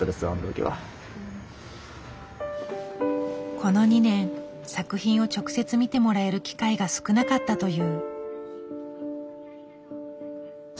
この２年作品を直接見てもらえる機会が少なかったという。